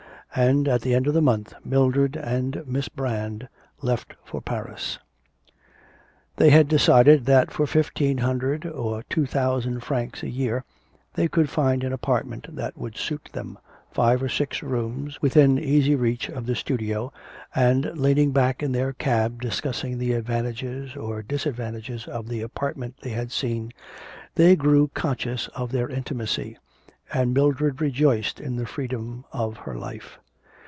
And at the end of the month Mildred and Miss Brand left for Paris. They had decided that for fifteen hundred or two thousand francs a year they could find an apartment that would suit them, five or six rooms within easy reach of the studio, and, leaning back in their cab discussing the advantages or the disadvantages of the apartment they had seen, they grew conscious of their intimacy and Mildred rejoiced in the freedom of her life.